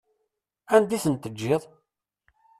Anda i tent-teǧǧiḍ?